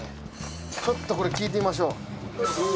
ちょっとこれ聞いてみましょう。